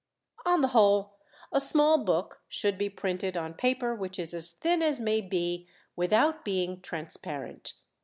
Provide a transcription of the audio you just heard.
On the whole, a small book should be printed on paper which is as thin as may be without being transparent.